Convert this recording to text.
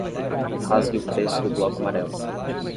Rasgue o preço do bloco amarelo.